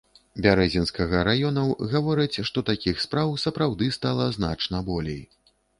Бярэзінскага раёнаў гавораць, што такіх спраў сапраўды стала значна болей.